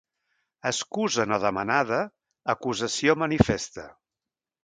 Excusa no demanada, acusació manifesta.